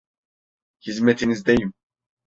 Hizmetinizdeyim.